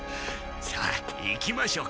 さあ行きましょうか。